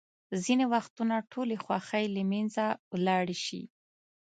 ځینې وختونه ټولې خوښۍ له منځه ولاړې شي.